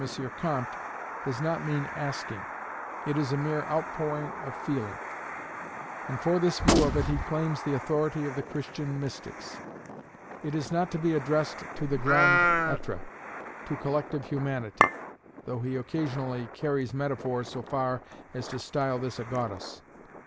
Comte, does not mean asking; it is a mere outpouring of feeling; and for this view of it he claims the authority of the Christian mystics. It is not to be addressed to the Grand Etre, to collective Humanity; though he occasionally carries metaphor so far as to style this a goddess.